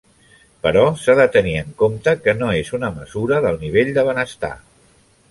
Però s'ha de tenir en compte que no és una mesura del nivell de benestar.